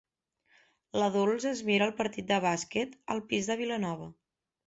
La Dols es mira el partit de bàsquet al pis de Vilanova.